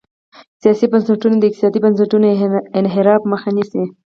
سیاسي بنسټونه د اقتصادي بنسټونو انحراف مخه نیسي.